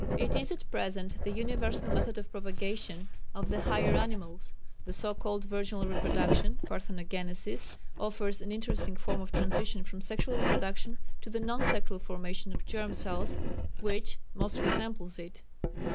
It is at present the universal method of propagation of the higher animals.... The so called virginal reproduction (Parthenogenesis) offers an interesting form of transition from sexual reproduction to the non sexual formation of germ cells which most resembles it....